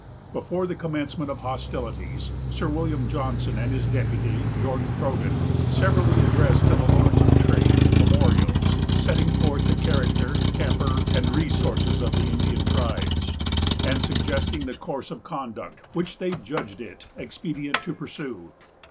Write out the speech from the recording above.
Before the commencement of hostilities, Sir William Johnson and his deputy, George Croghan, severally addressed to the lords of trade memorials, setting forth the character, temper, and resources of the Indian tribes, and suggesting the course of conduct which they judged it expedient to pursue.